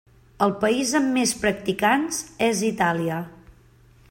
El país amb més practicants és Itàlia.